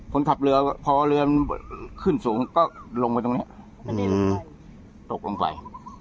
คนขับเรือพอเรือมันขึ้นสูงก็ลงไปตรงนี้ตกลงไป